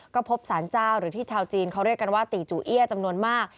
ก็พบสารเจ้าหรือที่ชาวจีนเขาเรียกกันว่าตีจูเอี้ยจำนวนมาก